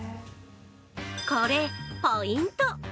これ、ポイント！